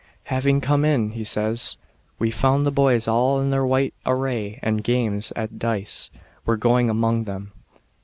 "Having come in," he says, " we found the boys all in their white array, and games at dice were going on among them.